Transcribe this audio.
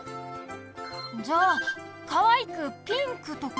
じゃあかわいくピンクとか？